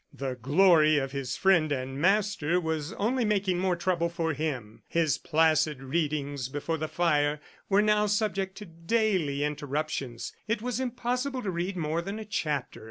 The glory of his friend and master was only making more trouble for him. His placid readings before the fire were now subject to daily interruptions. It was impossible to read more than a chapter.